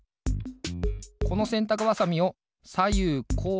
このせんたくばさみをさゆうこう